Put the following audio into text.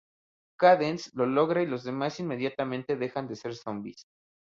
Cadence lo logra y los demás inmediatamente dejan de ser zombis.